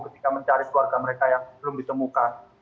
ketika mencari keluarga mereka yang belum ditemukan